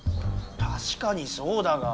たしかにそうだが。